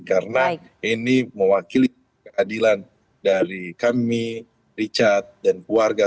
karena ini mewakili keadilan dari kami richard dan keluarga